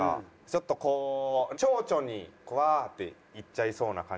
ちょっとこうチョウチョにわあっていっちゃいそうな感じも。